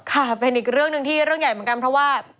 ค่ะเป็นอีกเรื่องหนึ่งที่เรื่องใหญ่เหมือนกันเพราะว่า